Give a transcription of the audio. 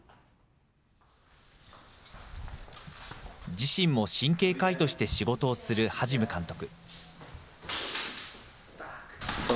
自身も神経科医として仕事をするハジム監督。